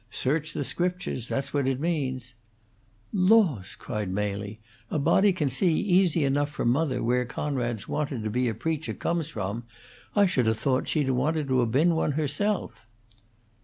Search the Scriptures. That's what it means." "Laws!" cried Mely, "a body can see, easy enough from mother, where Conrad's wantun' to be a preacher comes from. I should 'a' thought she'd 'a' wanted to been one herself."